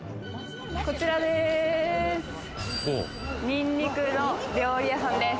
こちらです。